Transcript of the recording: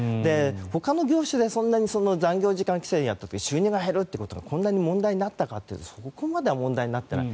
ほかの業種で残業時間規制をやったって収入が減るってことがこんなに問題になったかというとそこまでは問題になっていない。